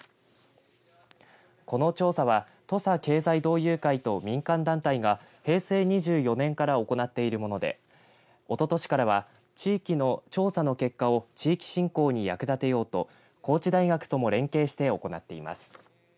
この調査は土佐経済同友会と民間団体が平成２４年から行っているものでおととしからは地域の調査の結果を地域振興に役立てようと高知大学とも連携して行っています。